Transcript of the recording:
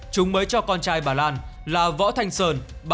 chúng mới cho con trai bà lan là võ thanh sơn